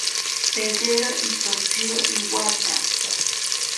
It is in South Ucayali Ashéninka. Pedero ithotziro iwatha